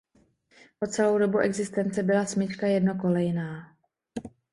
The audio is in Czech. Po celou dobu existence byla smyčka jednokolejná.